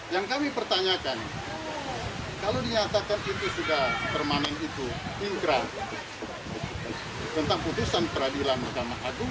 yang kami pertanyakan kalau dinyatakan itu sudah permanen itu inkrah tentang putusan peradilan mahkamah agung